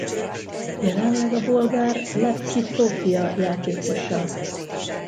Jelenleg a bolgár Levszki Szofija játékosa.